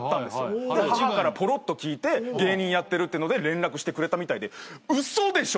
母からぽろっと聞いて芸人やってるってので連絡してくれたみたいで嘘でしょ！？